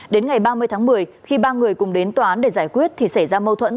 đến ngày ba mươi tháng một mươi khi ba người cùng đến tòa án để giải quyết thì xảy ra mâu thuẫn